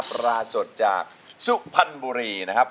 ปลาสดจากซุภัณฑุรีนะครับ